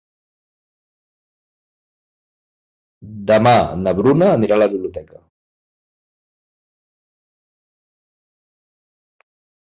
Demà na Bruna anirà a la biblioteca.